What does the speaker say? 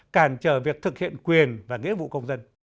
cản trở việc thực hiện quyền và nghĩa vụ công dân